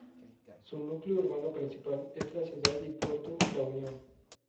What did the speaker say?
Su núcleo urbano principal es la Ciudad y Puerto La Unión.